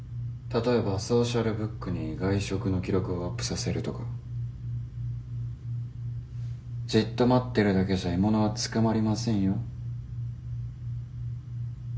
例えばソーシャルブックに外食の記録をアップさせるとかじっと待ってるだけじゃ獲物は捕まりませんよ